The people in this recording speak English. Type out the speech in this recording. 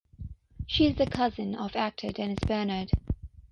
She is the cousin of actor Denis Bernard.